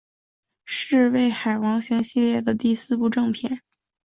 是为海王星系列的第四部正篇。